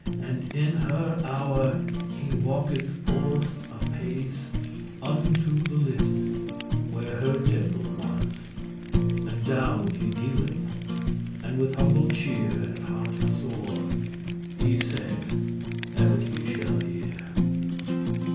*worthy And in her hour <62> he walketh forth a pace Unto the listes, where her temple was, And down he kneeleth, and with humble cheer* *demeanour And hearte sore, he said as ye shall hear.